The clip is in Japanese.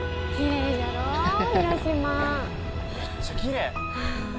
めっちゃきれい！